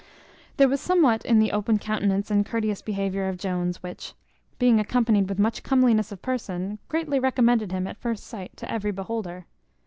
There was somewhat in the open countenance and courteous behaviour of Jones which, being accompanied with much comeliness of person, greatly recommended him at first sight to every beholder.